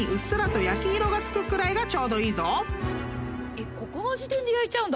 えっここの時点で焼いちゃうんだ